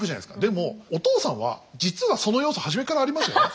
でもお父さんは実はその要素初めからありましたよね。